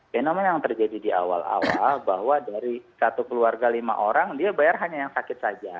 fenomena yang terjadi di awal awal bahwa dari satu keluarga lima orang dia bayar hanya yang sakit saja